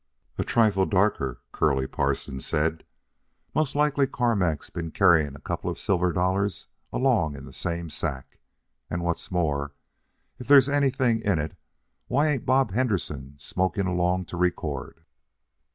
"A trifle darker," Curly Parson said. "Most likely Carmack's been carrying a couple of silver dollars along in the same sack. And what's more, if there's anything in it, why ain't Bob Henderson smoking along to record?"